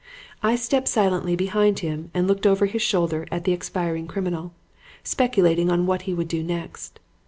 I stepped silently behind him and looked over his shoulder at the expiring criminal, speculating on what he would do next.